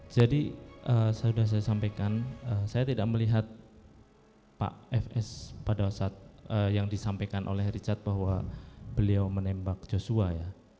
jadi sudah saya sampaikan saya tidak melihat pak fs pada saat yang disampaikan oleh richard bahwa beliau menembak joshua ya